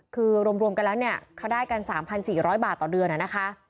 คือรวมกันแล้วเขาได้กัน๓๔๐๐บาทต่อเดือน